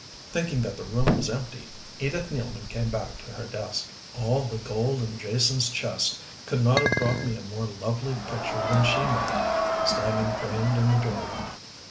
Thinking that the room was empty, Edith Nealman came back to her desk. All the gold in Jason's chest could not have bought a more lovely picture than she made, standing framed in the doorway.